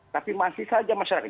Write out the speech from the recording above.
tapi masih saja masyarakat